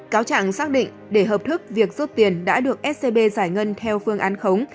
cáo trạng xác định để hợp thức việc rút tiền đã được scb giải ngân theo phương án khống